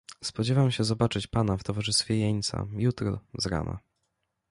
"Spodziewam się zobaczyć pana w towarzystwie jeńca, jutro z rana."